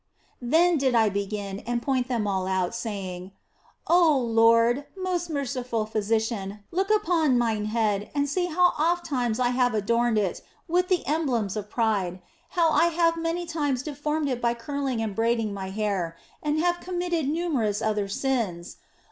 " Then did I begin and point them all out, saying, " Oh Lord, most merciful Physician, look upon mine head and OF FOLIGNO 215 see how ofttimes I have adorned it with the emblems of pride, how I have many times deformed it by curling and braiding my hair, and have committed numerous other sins.